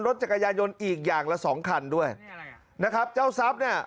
รถจักรยายนยนต์อีกอย่างละสองคันด้วยนะครับเจ้าซับเนี่ย